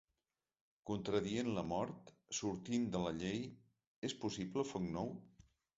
Contradient la mort, sortint de la llei, és possible foc nou?